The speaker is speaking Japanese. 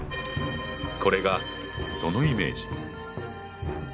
これがそのイメージ。